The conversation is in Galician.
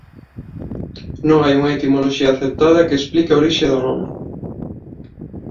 Non hai unha etimoloxía aceptada que explique a orixe do nome.